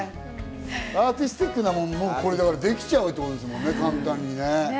アーティスティックなものもできちゃうんですよね、簡単にね。